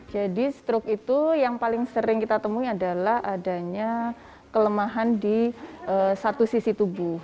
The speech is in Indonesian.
jadi strok itu yang paling sering kita temui adalah adanya kelemahan di satu sisi tubuh